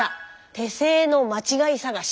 手製の間違い探し。